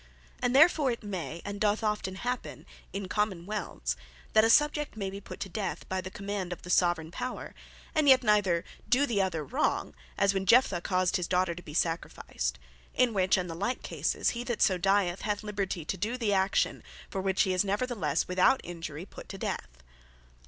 And therefore it may, and doth often happen in Common wealths, that a Subject may be put to death, by the command of the Soveraign Power; and yet neither doe the other wrong: as when Jeptha caused his daughter to be sacrificed: In which, and the like cases, he that so dieth, had Liberty to doe the action, for which he is neverthelesse, without Injury put to death.